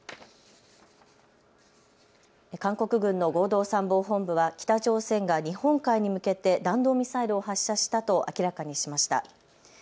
韓国軍の合同参謀本部は北朝鮮が日本海に向けて弾道ミサイルを発射したと明らかにしました。